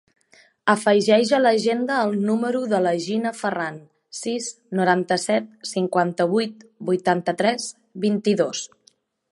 Afegeix a l'agenda el número de la Gina Farran: sis, noranta-set, cinquanta-vuit, vuitanta-tres, vint-i-dos.